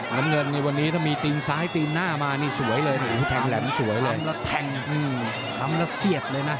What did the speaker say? เยินวันนี้ถ้ามีทีมซ้ายทีมหน้ามานี่สวยเลยทำแล้วเสียบเลยนะ